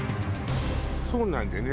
そうなんだよね。